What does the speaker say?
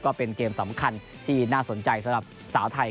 ก็เป็นเกมสำคัญที่น่าสนใจสำหรับสาวไทย